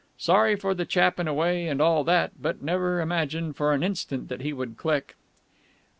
Sorry for the chap in a way, and all that, but had never imagined for an instant that he would click.